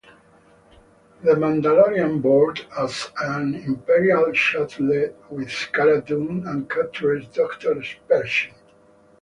The Mandalorian boards an Imperial shuttle with Cara Dune and captures Doctor Pershing.